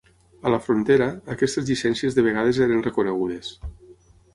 A la frontera, aquestes llicències de vegades eren reconegudes